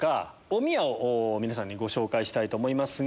おみやを皆さんにご紹介したいと思います。